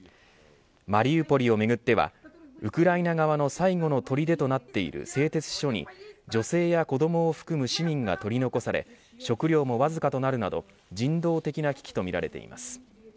マリウポリをめぐってはウクライナ側の最後のとりでとなっている製鉄所に女性や子どもを含む市民が取り残され食料もわずかとなるなど人道的な危機とみられています。